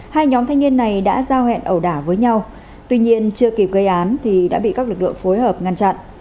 hai nhóm thanh niên này đã giao hẹn ẩu đả với nhau tuy nhiên chưa kịp gây án thì đã bị các lực lượng phối hợp ngăn chặn